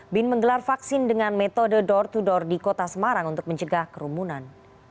bin menggelar vaksin dengan metode door to door di kota semarang untuk mencegah kerumunan